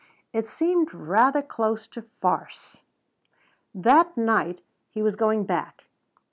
It seemed rather close to farce. That night he was going back.